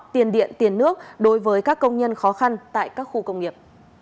tiền điện tiền nước đối với các công nhân khó khăn tại các khu công nghiệp